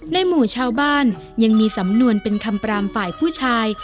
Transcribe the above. ในหมู่ชาวบ้านยังมีสำนวนเป็นคำปรามฝ่ายผู้ชาย